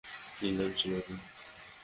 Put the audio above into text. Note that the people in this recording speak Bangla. কী নাম ছিল বললেন?